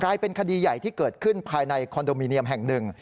เป็นคดีใหญ่ที่เกิดขึ้นภายในคอนโดมิเนียมแห่งหนึ่ง